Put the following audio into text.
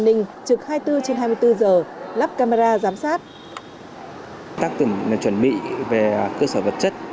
ninh trực hai mươi bốn trên hai mươi bốn giờ lắp camera giám sát các tổng đài chuẩn bị về cơ sở vật chất